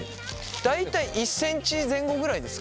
大体１センチ前後ぐらいですかね。